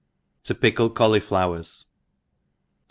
7d fickle Caulyflowers. TAKE th?